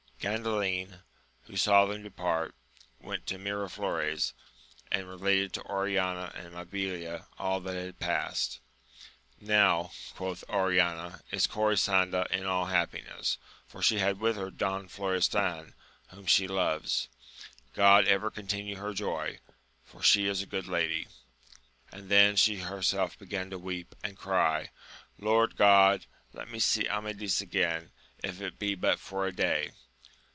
Gandalin, who saw them depart, went to Miraflores, and related to Oriana and Mabilia all that had past. Now, quoth Oriana, is Corisanda in all happiness, for she hath with her Don Florestan, whom she loves. God ever continue her joy 1 for she is a good lady. And then she herself began to weep, and cry, Lord God, let me see Amadis again, if it be but for a day